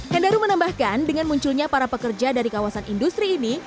hendaru menambahkan dengan munculnya para pekerja dari kawasan industri ini